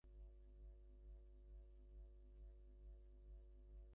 এ-বৎসরের মত নিউ ইয়র্ক-বক্তৃতাবলী এখানেই শেষ করব।